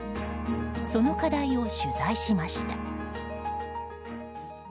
その課題を取材しました。